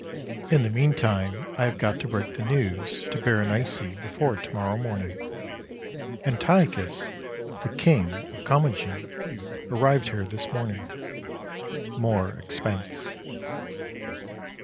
In the meantime I have got to break the news to Berenice before to morrow morning. Antiochus, the king of Commagene, arrived here this morning. More expense!